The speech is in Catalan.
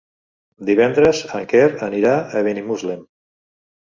Divendres en Quer anirà a Benimuslem.